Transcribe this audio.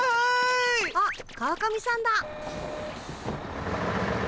あっ川上さんだ。